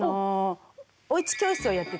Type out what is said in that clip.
「おうち教室」をやってて。